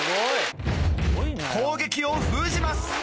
攻撃を封じます。